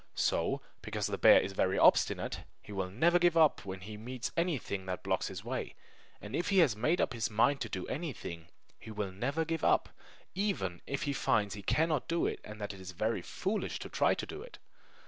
So, because the bear is very obstinate, he will never give up when he meets anything that blocks his way; and if he has made up his mind to do anything, he will never give up, even if he finds he cannot do it and that it is very foolish to try to do it.